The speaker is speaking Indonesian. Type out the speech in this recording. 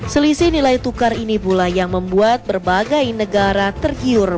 selisih nilai tukar ini pula yang membuat berbagai negara tergiur